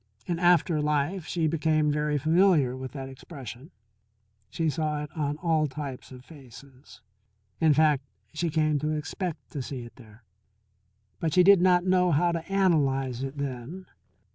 In after life she became very familiar with that expression; she saw it on all types of faces. In fact, she came to expect to see it there. But she did not know how to analyze it then.